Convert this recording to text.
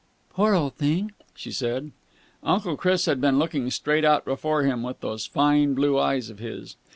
"Poor old thing!" she said. Uncle Chris had been looking straight out before him with those fine blue eyes of his.